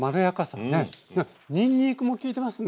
にんにくも利いてますね。